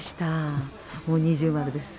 もう二重丸です。